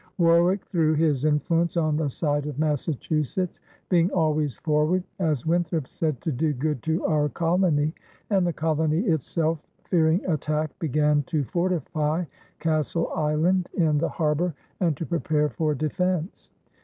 Warwick threw his influence on the side of Massachusetts, being always forward, as Winthrop said, "to do good to our colony"; and the colony itself, fearing attack, began to fortify Castle Island in the harbor and to prepare for defense.